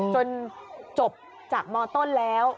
จนจบจากมต้นแล้ว